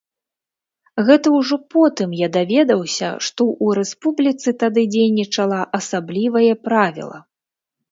Гэта ўжо потым я даведаўся, што ў рэспубліцы тады дзейнічала асаблівае правіла.